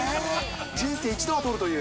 人生一度は通るという。